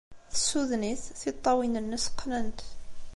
Tessuden-it, tiṭṭawin-nnes qqnent.